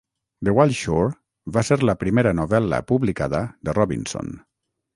"The Wild Shore" va ser la primera novel·la publicada de Robinson.